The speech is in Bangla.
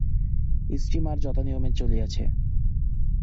স্টীমার যথানিময়ে চলিয়াছে।